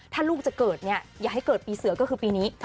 ถ้าลูกจะเกิดเนี่ยอย่าให้เกิดปีเสือก็คือปีนี้